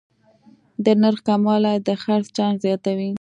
د نرخ کموالی د خرڅ چانس زیاتوي.